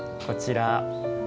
こちら。